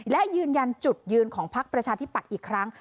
และยืนยันจุดยืนของพักประชาธิปัตย์อีกครั้ง